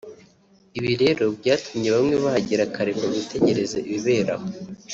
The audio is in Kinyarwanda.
ibi rero byatumye bamwe bahagera kare ngo bitegereze ibibera aho